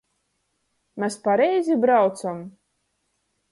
Mes pareizi braucam?